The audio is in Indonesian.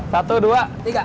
satu dua tiga